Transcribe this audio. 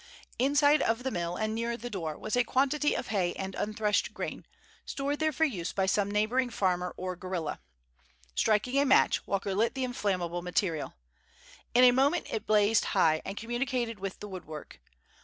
Inside of the mill, and near the door, was a quantity of hay and unthreshed grain, stored there for use by some neighboring farmer or guerrilla. Striking a match, Walker lit the inflammable material. In a moment it blazed high, and communicated with the woodwork.